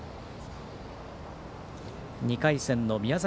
２回戦の宮崎